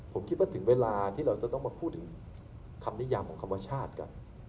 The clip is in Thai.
ผมคิดว่าถึงเวลาที่เราจะต้องมาพูดถึงคำนิยามของธรรมชาติกัน